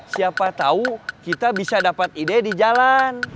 siapa tau kita bisa dapet ide di jalan